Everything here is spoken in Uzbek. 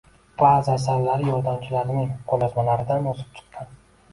Ba'zi asarlari yordamchilarining qo‘lyozmalaridan o‘sib chiqqan.